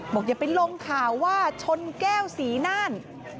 อย่าไปลงข่าวว่าชนแก้วศรีน่าน